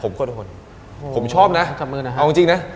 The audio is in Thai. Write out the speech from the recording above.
ผมก็โดนผมชอบนะขอบคุณนะครับเอาจริงน่ะ